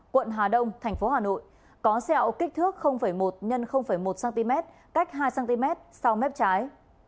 quận hà đông tp hà nội có xeo kích thước một x một cm cách hai cm sau mép trái